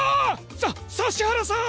さ指原さん。